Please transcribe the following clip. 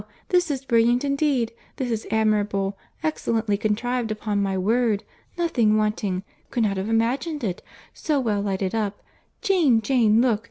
This is brilliant indeed!—This is admirable!—Excellently contrived, upon my word. Nothing wanting. Could not have imagined it.—So well lighted up!—Jane, Jane, look!